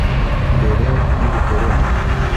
mbere y’ubukoloni